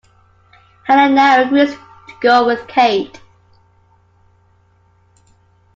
Helena agrees to go with Kate.